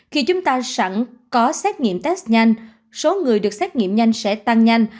khi chúng ta sẵn có xét nghiệm test nhanh số người được xét nghiệm nhanh sẽ tăng nhanh